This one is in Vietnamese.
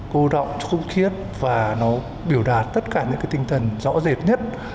cô đọng khung khiết và nó biểu đạt tất cả những cái tinh thần rõ rệt nhất